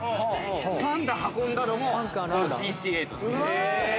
パンダ運んだのもこのＤＣ−８です。